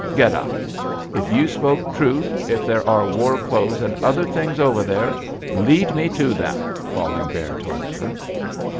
'Get up. If you spoke truth, if there are war clothes and other things over there, lead me to them,' Falling Bear told her.